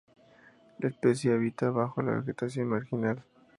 La especie habita bajo la vegetación marginal.